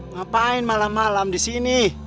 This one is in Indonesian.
ngapain malam malam disini